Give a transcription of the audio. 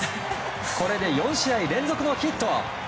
これで４試合連続のヒット。